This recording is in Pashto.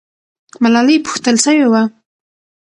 ملالۍ پوښتل سوې وه.